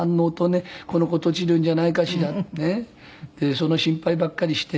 その心配ばっかりして。